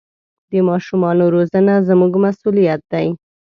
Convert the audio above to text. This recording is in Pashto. د ماشومانو روزنه زموږ مسوولیت دی.